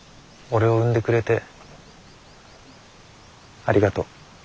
俺を産んでくれてありがとう。